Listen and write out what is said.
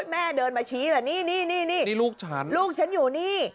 แม่เดินมาชี้เลยนี่นี่ลูกฉันลูกฉันอยู่นี่